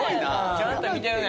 ちゃんと見てるね。